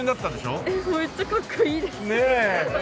めっちゃかっこいいです。ねえ。